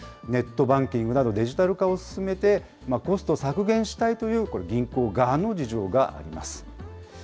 ネットバンキングなど、デジタル化を進めて、コストを削減したいというこれ、銀行側の事情があります。